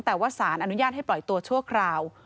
แต่ว่าสารอนุญาตให้ปล่อยตัวชั่วคราว